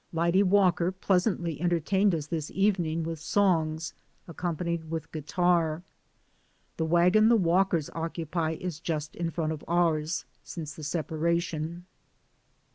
Lyde Walker pleasantly entertained us this evening with songs accompanied with guitar. The wagon the Walkers occupy is just in front of ours since the separation.